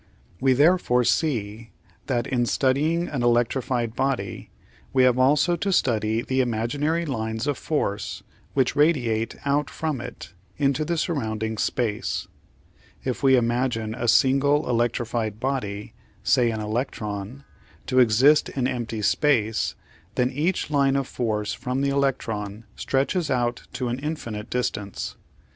We therefore see that, in studying any electrified body, we have also to study the imaginary lines of force which radiate out from it into the surrounding space. If we imagine a single electrified body, say an electron, to exist in empty space, then each line of force from the electron stretches out to an infinite distance.